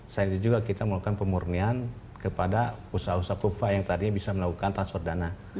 selain itu juga kita melakukan pemurnian kepada usaha usaha kuva yang tadinya bisa melakukan transfer dana